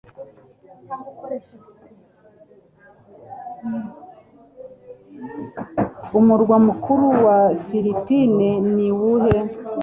Umurwa mukuru wa Philippines ni uwuhe